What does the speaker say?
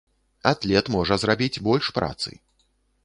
Атлет можа зрабіць больш працы.